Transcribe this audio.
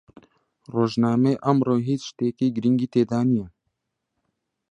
ڕۆژنامەی ئەمڕۆ هیچ شتێکی گرنگی تێدا نییە.